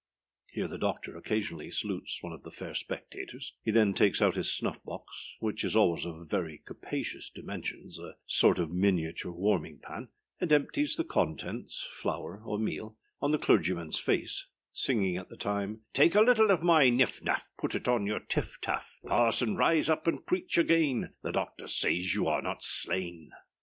Here the DOCTOR occasionally salutes one of the fair spectators; he then takes out his snuff box, which is always of very capacious dimensions (a sort of miniature warming pan), and empties the contents (flour or meal) on the CLERGYMANâS face, _singing at the time_â Take a little of my nif naf, Put it on your tif taf; Parson rise up and preach again, The doctor says you are not slain.